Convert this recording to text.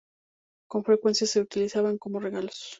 Con frecuencia se utilizaban como regalos.